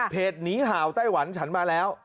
หนีห่าวไต้หวันฉันมาแล้ว